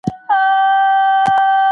د سهار ناشته د ماشومانو لپاره ډېره مهمه ده.